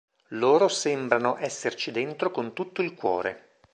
Loro sembrano esserci dentro con tutto il cuore".